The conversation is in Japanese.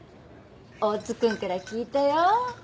大津君から聞いたよ。